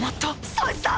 そいつだ！